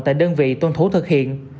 tại đơn vị tuân thủ thực hiện